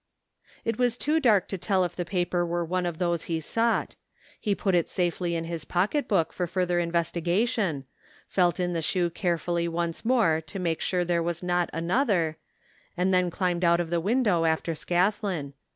It was too dark to tell if the paper were one of those he sought. He put it safely in his pocketbook for further investigation, felt in the shoe carefully once more to make sure there was not another, and then climbed out of the window after Scathlin.